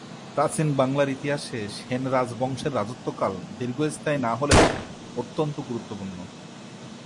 প্রাচীন বাংলার ইতিহাসে সেন রাজবংশের রাজত্বকাল দীর্ঘস্থায়ী না হলেও অত্যন্ত গুরুত্বপূর্ণ।